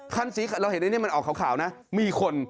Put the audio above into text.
คันสีเราเห็นที่นี้มันขาวมีคน